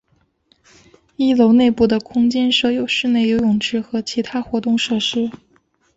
一楼内部的空间设有室内游泳池和其他活动设施。